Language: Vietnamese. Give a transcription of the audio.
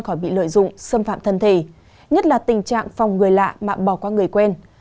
khỏi bị lợi dụng xâm phạm thân thể nhất là tình trạng phòng người lạ mà bỏ qua người quen